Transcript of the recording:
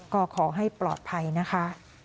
ก็ขอให้ปลอดภัยนะคะ